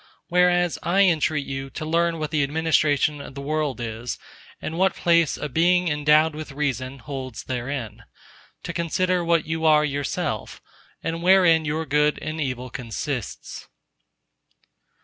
... Whereas, I entreat you to learn what the administration of the World is, and what place a Being endowed with reason holds therein: to consider what you are yourself, and wherein your Good and Evil consists.